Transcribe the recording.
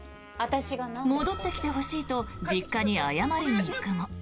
戻ってきてほしいと実家に謝りに行くも。